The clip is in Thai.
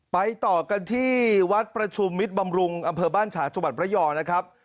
ต่อกันที่วัดประชุมมิตรบำรุงอำเภอบ้านฉางจังหวัดระยองนะครับ